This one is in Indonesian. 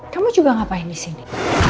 kamu juga ngapain di sini